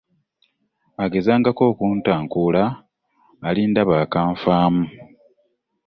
Ogezangako okuntankuula olindaba akanfaamu.